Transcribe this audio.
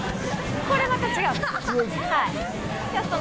これ、また違うの？